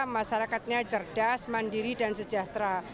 masyarakatnya cerdas mandiri dan sejahtera